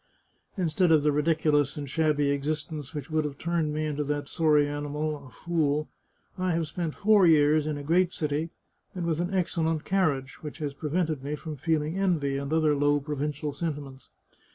" Instead of the ridiculous and shabby existence which would have turned me into that sorry animal, a fool, I have spent four years in a great city, and with an excellent car riage, which has prevented me from feeling envy, and other low provincial sentiments.